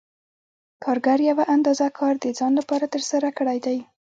کارګر یوه اندازه کار د ځان لپاره ترسره کړی دی